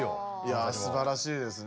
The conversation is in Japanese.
いやすばらしいですね。